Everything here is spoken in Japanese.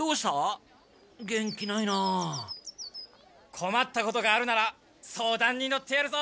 こまったことがあるなら相談に乗ってやるぞ。